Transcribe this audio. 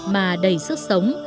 mà đầy sức sống